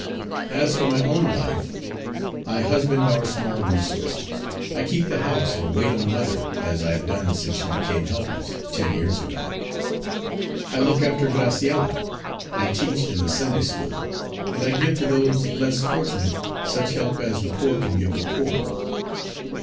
As for my own life, I husband our small resources; I keep the house, and wait on mother, as I have done since she became helpless, ten years ago. I look after Graciella. I teach in the Sunday School, and I give to those less fortunate such help as the poor can give the poor."